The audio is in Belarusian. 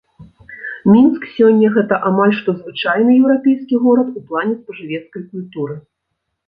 Мінск сёння гэта амаль што звычайны еўрапейскі горад у плане спажывецкай культуры.